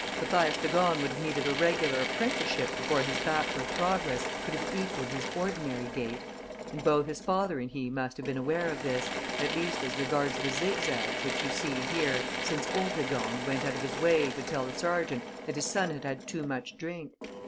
"Mathias de Gorne would have needed a regular apprenticeship before his backward progress could have equalled his ordinary gait; and both his father and he must have been aware of this, at least as regards the zigzags which you see here since old de Gorne went out of his way to tell the sergeant that his son had had too much drink."